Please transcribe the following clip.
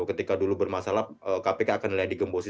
ketika dulu bermasalah kpk akan dilihat digembosi